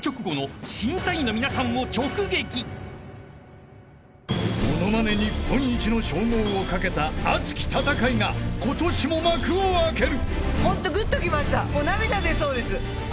［ものまね日本一の称号を懸けた熱き戦いが今年も幕を開ける］